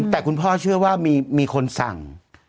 แต่คุณพ่อเชื่อว่ามีคนสั่ง